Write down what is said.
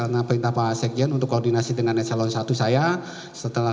menteri pertanian syahrul yassin limpo joyce trihatma disebut